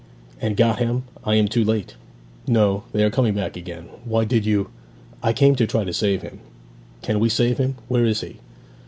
'And got him I am too late!' 'No; they are coming back again. Why did you ' 'I came to try to save him. Can we save him? Where is he?'